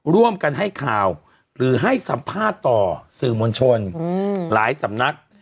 ร่วมกันให้ข่าวหรือให้สัมภาษณ์ต่อสื่อมวลชนหลายสำนัก